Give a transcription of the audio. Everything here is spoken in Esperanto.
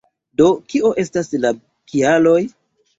Do, kio estas la kialoj